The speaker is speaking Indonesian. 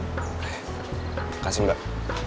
terima kasih mbak